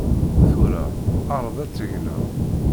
Tura ɛreḍ ad tegneḍ.